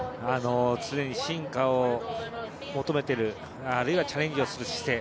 常に進化を求めているあるいはチャレンジする姿勢